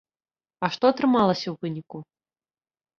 А што атрымалася ў выніку?